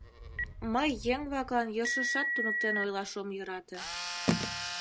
Мый еҥ-влаклан йӧршешат туныктен ойлаш ом йӧрате.